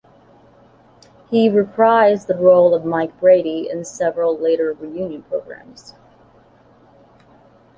He reprised the role of Mike Brady in several later reunion programs.